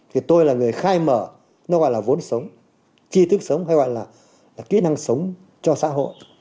thì tôi là người khai mở nó gọi là vốn sống chi thức sống hay gọi là kỹ năng sống cho xã hội